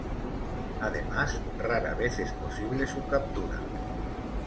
Además, rara vez es posible su captura.